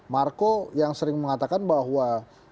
marco yang sering mengatakan bahwa